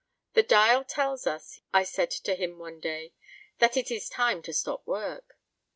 "The dial tells us," I said to him one day, "that it is time to stop work."